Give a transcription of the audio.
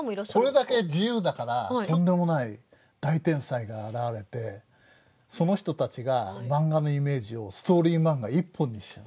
これだけ自由だからとんでもない大天才が現れてその人たちがマンガのイメージをストーリーマンガ一本にしちゃう。